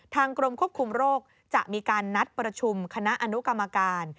กรมควบคุมโรคจะมีการนัดประชุมคณะอนุกรรมการ